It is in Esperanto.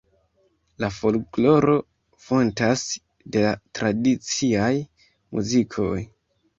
La folkloro fontas de la tradiciaj muzikoj.